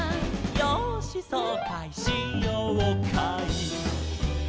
「よーしそうかいしようかい」